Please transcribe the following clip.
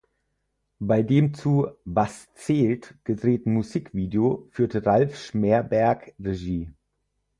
Bei dem zu "Was zählt" gedrehten Musikvideo führte Ralf Schmerberg Regie.